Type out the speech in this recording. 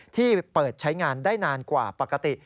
ที่เปิดใช้งานได้นานกว่าปกติ